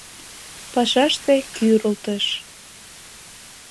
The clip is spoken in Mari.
Пашаште кӱрылтыш.